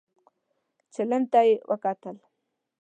چيلم ته يې وکتل.